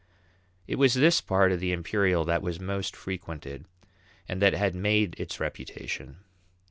It was this part of the Imperial that was most frequented, and that had made its reputation.